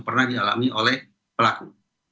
pernah dialami oleh pelaku